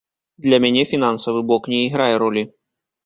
Для мяне фінансавы бок не іграе ролі.